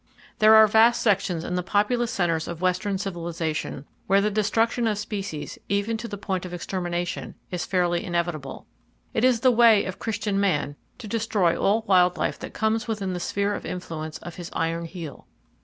There are vast sections in the populous centres of western civilization where the destruction of species, even to the point of extermination, is fairly inevitable. It is the way of Christian man to destroy all wild life that comes within the sphere of influence of his iron heel.